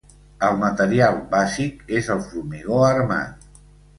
El material bàsic és el formigó armat.